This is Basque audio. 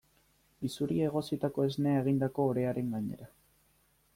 Isuri egositako esnea egindako orearen gainera.